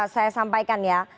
saya sampaikan ya